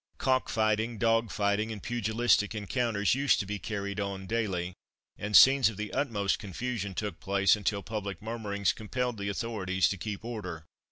Cock fighting, dog fighting, and pugilistic encounters used to be carried on daily, and scenes of the utmost confusion took place, until public murmurings compelled the authorities to keep order.